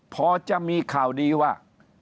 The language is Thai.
พอจะมีข่าวดีว่า